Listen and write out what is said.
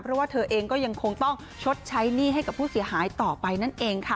เพราะว่าเธอเองก็ยังคงต้องชดใช้หนี้ให้กับผู้เสียหายต่อไปนั่นเองค่ะ